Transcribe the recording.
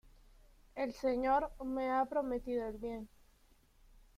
El Señor me ha prometido el bien.